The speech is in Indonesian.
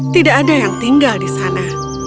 tidak ada yang tinggal di sana